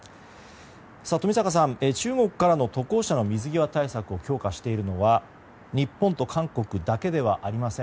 冨坂さん、中国からの渡航者の水際対策を強化しているのは日本と韓国だけではありません。